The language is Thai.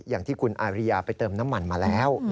อย่างที่คุณอาริยาไปเติมน้ำมันมาแล้ว